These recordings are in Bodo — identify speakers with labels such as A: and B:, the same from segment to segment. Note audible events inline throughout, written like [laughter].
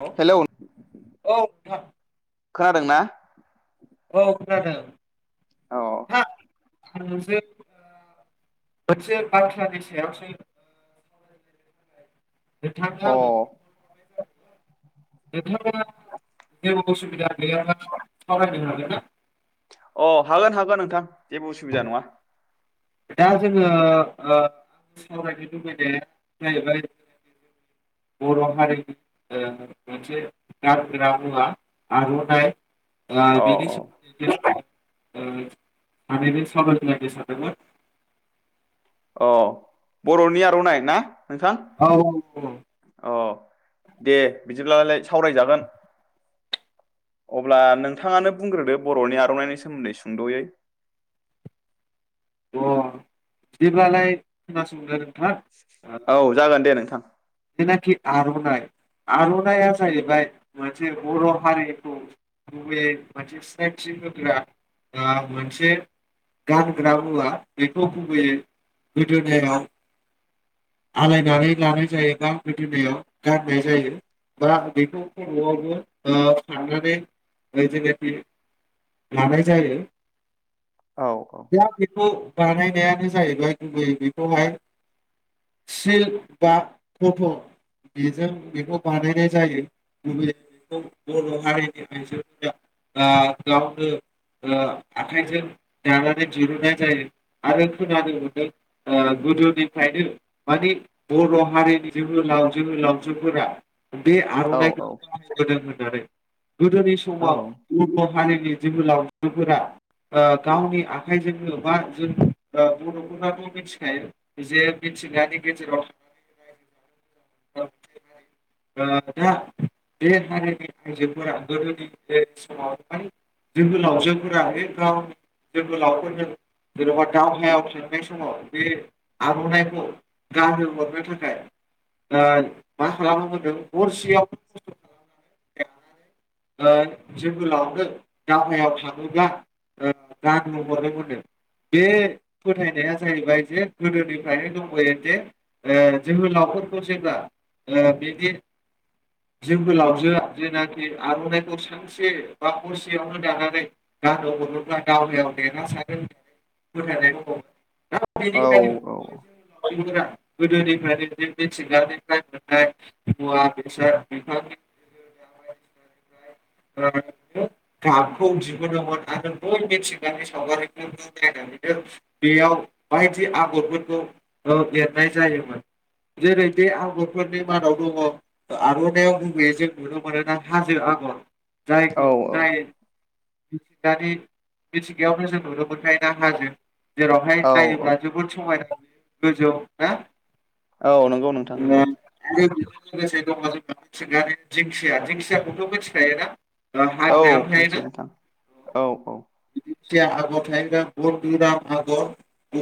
A: औ
B: हेलौ
A: औ
B: खोनादों ना?
A: औ खोनादों
B: औ
A: हा आं मोनसे मोनसे बाथ्रानि सायावसो ओ नोंथांआ
B: अ
A: आंनो नोंथाङा जेबो उसुबिदा गैयाबा सावरायनो हागाय ना?
B: अ हागोन हागोन नोंथां जेबो उसुबिदा नङा
A: दा जोङो आं सावरायनो लुबैदों जाहैबायोंनि बर हारिनि ओ मोनसे गानग्रा मुवा आरनाइ आ
B: औ
A: बिनि
B: औ
A: ओ थारैनो [inaudible] साबायखर
B: अ बरनि आरनाइ ना नोंथां
A: औ औ
B: अ दे बिदिब्लालाय सावरायजागोन अब्ला नोंथाङानो बुंग्रोदो बर'नि आर'नाइनि सोमोनदै सुंद'यै
A: अ बिदिब्लालाय खोनासंदो नोंथां ओ
B: औ जागोन दे नों थां
A: जेनाखि आर'नाइ आर'नाया जाहैबाय मोनसे बर' हारिखौ गुबैयै मोनसे सिनायथि होग्रा ओ मोनसे गानग्रा मुवा बेखौ गुबैयै गोदोनायाव आलायनानै लानाय जायो गां गोदोनायाव गाननाय जायो बा बेखौ खर'आवबो ओ फाननानै जेनाखि लानाय जायो
B: औ औ
A: खौ बानायनायानो जाहैबाय गुबै बेखौहाय सिल्क बा फथ' बेजों बेखौ बानायनाय जायो गुबैय बेखौ बर' हारिनि आइजोफोरा आ गावनो ओ आखाइजों दानानै दिरुननाय जायो आरो खोनानो मोनदों ओ गोदोनिफ्रायनो माने बर' हारिनि बिर जोहोलाव जोहोलावजोफोरा बे
B: औ
A: आर'नाइखौ [unintelligible] होननानै गोदोनि
B: औ
A: समाव [unintelligible] हारि जोंनि जोहोलावजोफोरा ओ गावनि आखाइजोंनो बा जों ओ बर'फोरनाथ' मिथिखायो जे मिथिगानि गेजेराव थानानै रायजो दा बे हारिनि आइजोफोरा गोदोनि जे समाव माने जोहोलावजोफोरा बे गावनि जोहोलावफोरजों जेन'बा दावहायाव थांनाय समाव बे आर'नाइखौ गानहोहरनो थाखाय ओ मा खालामो मोन नो हरसेयाव खस्थ' खालामनानै दानानै ओ जोहोलावनो दावायाव थाङोब्ला ओ गानहो हरो मोन नो बे फोथायनाया जाहैबाय जे गोदोनिफ्रायनो दंबोयो जे ओ जोहोलाव फोरखौ जेब्ला ओ बिदि जोहोलावजो जेनाखि आर'नाइखौ सानसे बा हरसेयावनो दानानै गानो हरोब्ला दावहायाव देरहा सारगोन होननानै फोथायनाय दङ दा
B: औ
A: बेनिखायनो [unintelligible] गोदोनिफ्रायनो जे मिथिंगानिफ्राय मोननाय मुवा बेसाद बिफांनि जा गाबखौ दिहुनोमोन आरो बै मिथिंगानि सावगारिफोरखौ नायनानैनो बेयाव बायदि आगरफोरखौ ओ एरनाय जायोमोन जेरै बे आगरफोरनि मादाव दङ आर'नाइयाव गुबैयै जों नुनो मोनोना हाजो आगर जायखौ
B: औ
A: जाय मिथिंगानि मिथिंगायावनो जों नुनो मोनखायो ना हाजो जेरावहाय
B: औ औ
A: नायोब्ला जोबोद समाय जायो गोजौआव ना
B: औ नंगौ नोंथां
A: ओ
B: नंगौ
A: आरो लोगोसे दङ जोंहा मिथिंगानि दिंखिया दिंखियाखौथ' मिथिखायोना ओ
B: औ
A: हाग्रायाव थायोना
B: मिथियो नोंथां औ औ
A: दिंखिया आगर थायोब्ला बरदुराम आगर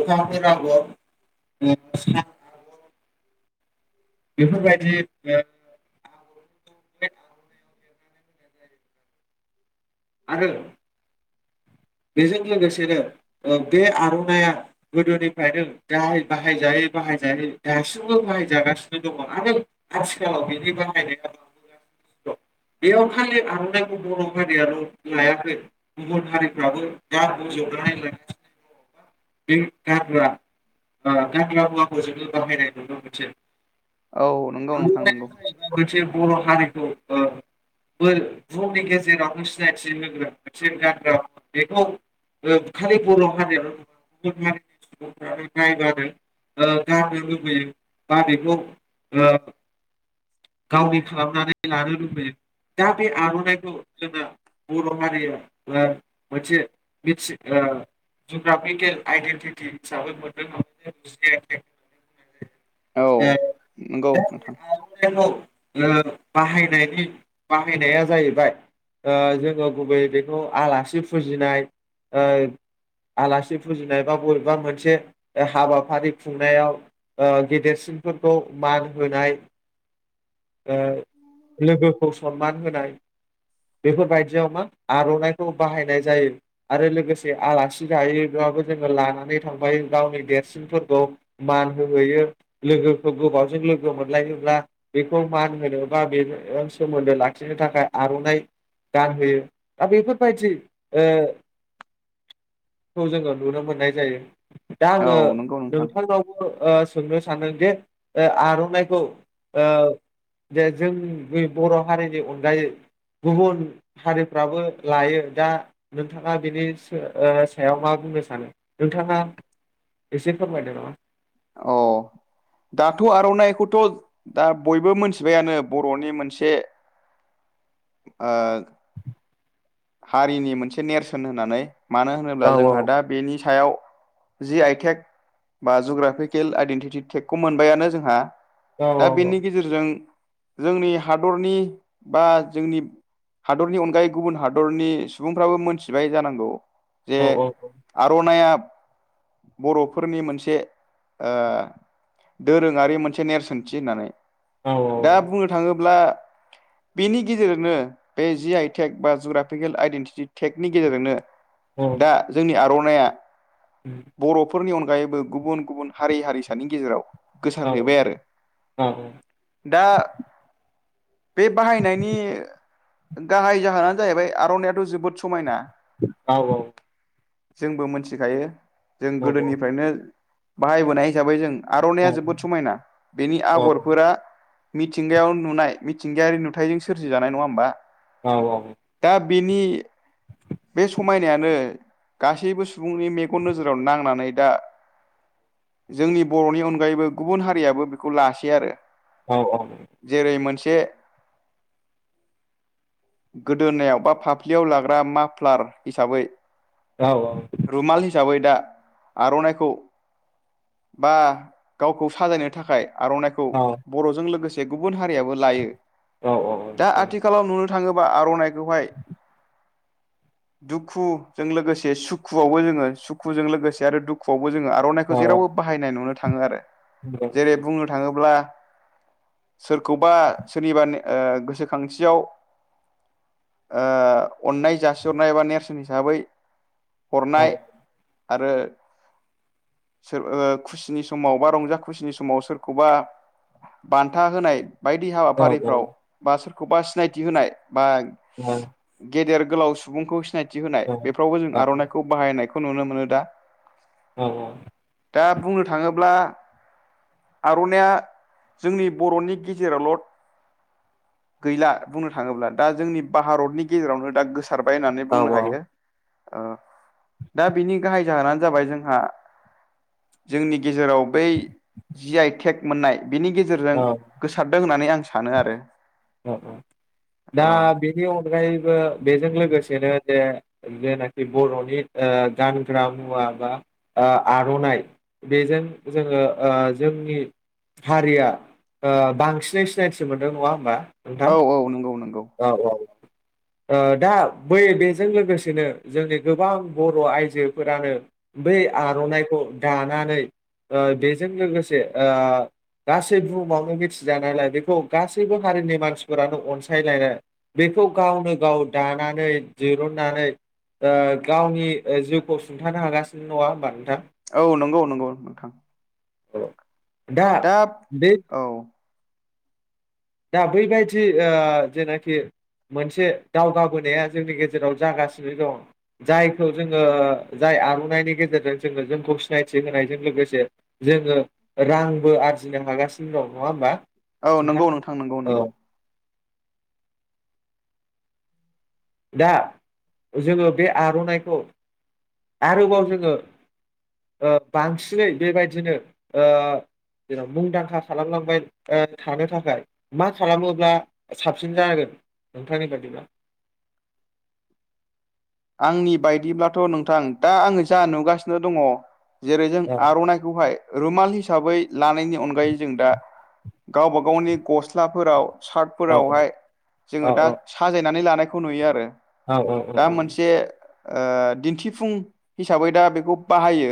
A: अखाफोर आगर सान आगर बेफोरबायदि ओ आगर एरोमोन आर'नाइयाव आरो बेजों लोगोसेनो ओ बे आर'नाइया गोदोनिफ्रायनो बाहायजायै बाहायजायै दासिमबो बाहायजागासिनो दङ आरो आथिखालाव बेनि बाहायनाया बांबोगासिनो दं बेयाव खालि आर'नाइखौ बर' हारियाल' लायाखै गुबुन हारि [unintelligible] बे गानग्रा ओ गानग्रा मुवाखौ जोङो बाहायनाय नुनो मोनसै
B: औ नंगौ नोंथां
A: आर'नाइया
B: नंगौ
A: जाहैबाय मोनसे बर' हारिखौ ओ बुहुमनि गेजेरावनो सिनायथि होग्रा मोनसे गानग्रा बेखौ ओ खालि बर' हारियल' नङा गुबुन हारिनि सुबुंफ्रानो बायबानो ओ गाननो लुबैयो बा बेखौ ओ गावनि खालामनानै लानो लुबैयो दा बे आर'नाइखौ जोंना बर' हारिया ओ मोनसे ओ जुग्राफिकेल आइडेन्टिटि हिसाबै मोनदों ज
B: औ नंगौ नोंथां
A: आर'नाइखौ बाहायनायनि बाहायनाया जाहैबाय ओ जोङो गुबैयै बेखौ आलासि फुजिनाय आलासि फुजिनाय बा बबेबा मोनसे हाबाफारि खुंनायाव ओ गेदेरसिनफोरखौ मान होनाय ओ लोगोखौ सनमान होनाय बेफोरबायदियाव मा आर'नाइखौ बाहायनाय जायो आरो लोगोसे आलासि जायो बो जोङो लानानै थांफायो गावनि देरसिनफोरखौ मान होहोयो लोगोखौ गोबावजों लोगो मोनलायोब्ला बेखौ मान होनो बा बेजोंजों सोमोन्दो लाखिनो थाखाय आर'नाइ गानहोयो दा बेफोरबायादि ओ खौ जोङो नुनो मोननाय जायो दा आङो
B: औ नंगौ नोंथां
A: नोंथांनावबो सोंनो सानदों जे ओ आर'नाइखौ ओ जे जों बर' हारिनि अनगायै गुबुन हारिफ्राबो लायो दा नोंथाङा ओ बिनि सा सायाव मा बुंनो सानो नोंथाङा एसे फोरमायदो नामा
B: अ दाथ' आर'नाइखौथ' दा बयबो मिनथिबायानो बर'नि मोनसे ओ हारिनि मोनसे नेरसोन होननानै मानो होनोब्ला
A: औ
B: जोंहा दा बेनि सायाव जि आइ टेक बा जुग्राफिकेल आइडेन्टित टेकखौ मोनबायानो जोंहा
A: औ
B: दा बेनि गेजेरजों जोंनि हादरनि बा जोंनि हादरनि अनगायै गुबुन हादर हादरनि सुबुंफ्राबो मोनथिबाय जानांगौ जे
A: औ
B: आर'नाइया बर'फोरनि मोनसे दोरोङारि मोनसे नेरसोनथि होननानै
A: औ
B: दा बुंनो थाङोब्ला बेनि गेजेरनो बे जि आइटेक बा जुरा फपिकेल आइडेन्टिटि टेकनि गेजेरनो दा जोंनि आरो आरनाइया बर'फोरनि अनगायै अनगायैबो गुबुन गुबुन हारि हारिसानि गेजेराव गोसारहैबाय आरो दा बे बाहायनायनि गाहाय जाहोनानो जाहैबाय आर'नाइयाथ' जोबोद समायना
A: औ औ
B: जोंबो मिथिखायो जों गोदोनिफ्रायनो बाहायबोनाय हिसाबै जों आर'नाइया जोबोद समायना बेनि आगरफोरा मिथिंगायाव नुनाय मिथिंगायारि नुथायजों सोरजिजानाय नङा होमबा
A: औ औ
B: दा बेनि बे समायनायानो गासैबो सुबुंनि मेगन नोजोराव नांनानै दा जोंनि बर'नि अनगायैबो गुबुन हारियाबो बेखौ लासै आरो
A: औ औ
B: से दोननायाव बा फाफ्लियाव लाग्रा माफ्लार हिसाबै
A: औ औ
B: रुमाल हिसाबै दा आर'नाइखौ बा गावखौ साजायनो थाखाय आर'नाइखौ बर'जों लोगोसे जे गुबुन हारियाबो लायो दा आथिखालाव नुनो थाङोबा आर'नाइ बेवहाय दुखुजों लोगोसे सुखुआवबो जोङो सुखुजों लोगोसे आरो दुखुआव जों आर'नाइखौ जेरावबो बाहायनाय नुनो थाङो थाङो आरो जेरै बुंनो थाङोब्ला सोरखौबा सोरनिबा ओ गोसोखांथियाव ओ अननाय जासिहरनाय बा नेरसोन हिसाबै हरनाय आरो सोर ओ खुसिनि समाव बा रंजा खुसिनि समाव सोरखौबा बान्था होनाय बायदि हाबाफारिफ्राव बा सोर खौबा सिनायथि होनाय बा गेदेर गोलाव सुबुंखौ सिनायथि होनाय बेफ्रावबो जों आर'नाइखौ बाहायनायखौ खौ नुनो मोनो दा
A: औ औ
B: दा बुंनो थाङोब्ला आर'नाइया जोंनि बर'नि गेजेरावल' गैला बुंनो थाङोब्ला दा जोंनि भारतनि गेजेरावनो दा गोसो सारबाय होननानै बुंनो हायो ओ दा बिनि गाहाय जाहोनानो जाबाय जोंहा जोंनि गेजेराव बै जि आइ टेक मोननाय बिनि गेजेरजों
A: औ
B: गोसारदों होननानै आं सानो आरो
A: औ औ दा
B: औ
A: बेनि अनगा अनगायैबो बेजों लोगोसेनो जे जेनाखि बर'नि ओ गानग्रा मुवा बा ओ आर'नाइ ओ बेजों जोङो ओ जोंनि हारिया ओ बांसिनै सिनायथि मोनदों नङा होमबा नोंथां
B: औ औ नंगौ नंगौ
A: औ औ दा बै बेजों लोगोसेनो जोंनि गोबां बर' आइजोफोरानो बै आर'नाइखौ दानानै ओ बेजों लोगोसे ओ गासै बुहुमावनो मिथिजानायलाय बेखौ गासैबो हारिनि मानसिफोरानो अनसाय टाइगारा
B: औ नंगौ नंगौ नोंथां
A: औ
B: दाब औ
A: दा बैबायदि ओ जेनाखि मोनसे दावगाबोनाया जोंनि गेजेराव जागासिनो दं जायखौ जोङो जाय आर'नाइनि गेजेरजों जोङो जोंखौ सिनायथि होनायजों लोगोसे जोङो रांबो आरजिनो हागासिनो दं नङा होमबा
B: औ नंगौ‌ नोंथां थां नंगौ
A: औ
B: नंगौ
A: दा जोङो बे आर'नाइखौ आरोबाव जोङो बांसिनै बेबायदिनो ओ जेन मुंदांखा खालामलांबाय थानो थाखाय मा खालामोब्ला साबसिन जानांगोन नोंथांनि बायदिब्ला
B: आंनि बायदिब्लाथ नोंथां दा आङो जा नुगासिनो दङ जेरै जों
A: औ
B: आर'नाइखौहाय रुमाल हिसाबै लानायनि अनगायै जों दा गावबा गावनि गस्लाफोराव
A: औ
B: सार्टफोरावहाय
A: औ
B: जोङो दा
A: औ
B: साजायनानै लानाय खौ नुयो आरो
A: औ औ औ औ
B: से दिन्थिफुं हिसाबै दा बेखौ बाहायो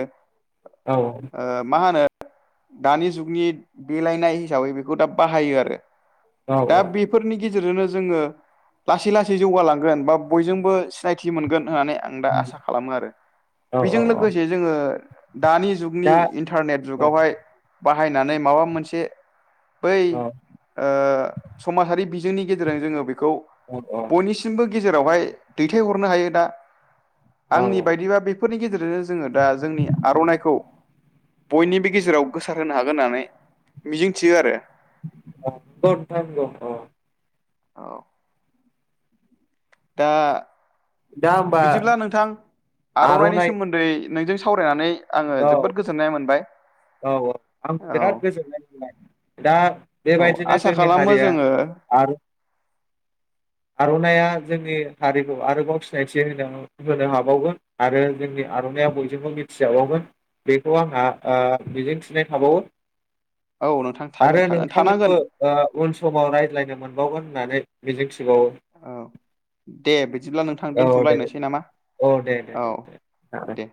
A: औ
B: ओ मा होनो दानि जुगनि देलायनाय हिसाबै बेखौ दा बाहायो आरो दा बेफोरनि गेजे रजोंनो जोङो लासै लासै जौगालांगोन बा बयजोंबो सिनायथि मोनगोन होननानै आं दा
A: औ
B: आसा खालामो आरो
A: औ
B: बेजों
A: औ
B: लोगोसे जोङो दानि जुगनि
A: दा
B: इन्टारनेट
A: औ
B: जुगावहाय बाहायनानै माबा मोनसे बै
A: औ
B: ओ समाजारि बि जोंनि गेजेरजों जोङो खौ
A: औ
B: बयनिसिमबो गेजेरावहाय दै दै हरनो हायो दा
A: औ
B: आंनि बायदिबा बेफोरनि गेजेरजों जोङो दा जोंनि आर'नाइखौ बयनिबो गेजेराव गोसार होनो हागोन होननानै मिजिंथियो आरो
A: दाथ थायिम दं थ
B: औ दा
A: दा होमबा
B: बिदिब्ला नोंथां आर'नाइनि
A: आर'नाइ
B: सोमोन्दै नोंजों सावरायनानै आङो
A: औ
B: जोबोद गोजोननाय मोनबाय
A: औ औ आंबो
B: औ
A: बिराद गोजोननाय मोनबाय दा
B: औ
A: बेबायदिनो
B: आसा
A: जोंनि
B: खालामो
A: हारिया
B: जोङो
A: आर'नाइया दा जोंनि हारिखौ आरोबाव सिनायथि होनो होनो हाबावगोन आरो जोंनि आर'नाइया बयजोंबो मिथिजाबावगोन बेखौ आंहा ओ मिजिं थिनाय थाबावो
B: औ नोंथां थागोन
A: आरो
B: थागोन थानांगोन
A: नोंथांजोंबो ओ उन समाव रायज्लायनो मोनबावगोन होननानै बेजोंखि
B: औ दे बिदिब्ला नोंथां
A: औ दे
B: दोनथ'लायनोसै नामा
A: औ दे दे
B: औ
A: दे आरो
B: दे